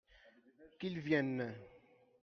Qu'il vienne !